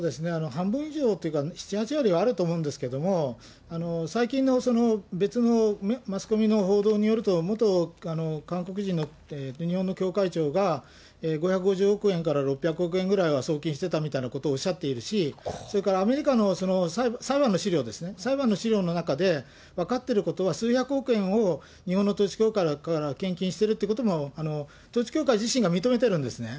半分以上っていうか、７、８割はあると思うんですけれども、最近の別のマスコミの報道によると、元韓国人の日本の教会長が、５５０億円から６００億円ぐらいは送金してたみたいなことをおっしゃっているし、それからアメリカの裁判の資料ですね、裁判の資料の中で分かってることは、数百億円を日本の統一教会から献金してるということも、統一教会自身が認めてるんですね。